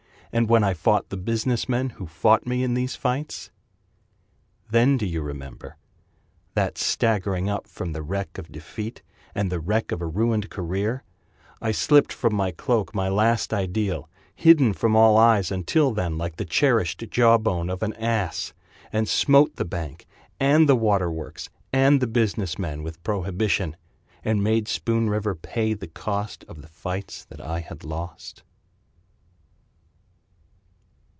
And when I fought the business men Who fought me in these fights? Then do you remember: That staggering up from the wreck of defeat, And the wreck of a ruined career, I slipped from my cloak my last ideal, Hidden from all eyes until then, Like the cherished jawbone of an ass, And smote the bank and the water works, And the business men with prohibition, And made Spoon River pay the cost Of the fights that I had lost.